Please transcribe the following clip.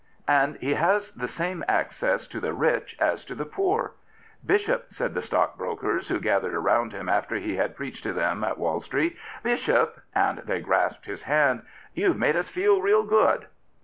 And he has the same access to the rich as to the poor. " Bishop," said the stockbrokers who gathered round him after he had preached to them at Wall 167 Prophets, Priests, and Kings Street: "Bishop" — and they grasped his hand —" youVe made us feel real good."